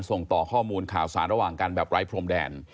ส่งต่อข้อมูลข่าวสารระหว่างกันแบบไร้พรมแดน